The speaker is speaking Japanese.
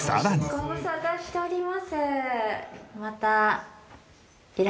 ご無沙汰しております。